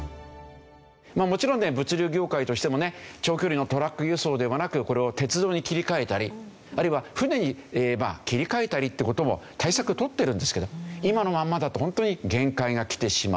もちろんね物流業界としてもね長距離のトラック輸送ではなくこれを鉄道に切り替えたりあるいは船に切り替えたりっていう事も対策取ってるんですけど今のままだと本当に限界がきてしまう。